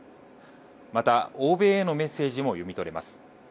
また、欧米へのメッセージも読み取れます。